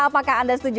apakah anda setuju